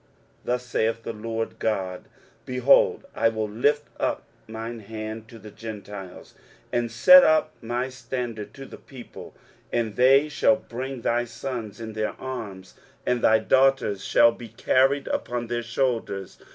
23:049:022 Thus saith the Lord GOD, Behold, I will lift up mine hand to the Gentiles, and set up my standard to the people: and they shall bring thy sons in their arms, and thy daughters shall be carried upon their shoulders.